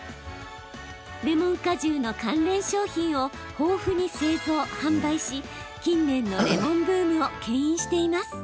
レモン果汁の関連商品を豊富に製造、販売し近年のレモンブームをけん引しています。